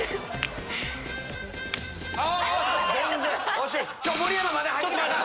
惜しい。